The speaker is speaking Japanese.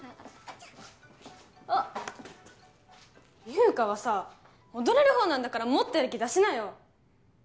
おっ優佳はさ踊れるほうなんだからもっとやる気出しなよ